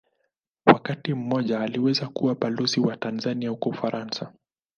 Wakati mmoja aliweza kuwa Balozi wa Tanzania huko Ufaransa.